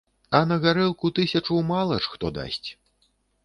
А на гарэлку тысячу мала ж хто дасць.